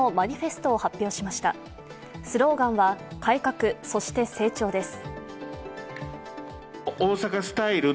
スローガンは「改革そして成長」です。